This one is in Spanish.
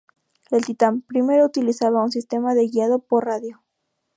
El Titan I utilizaba un sistema de guiado por radio.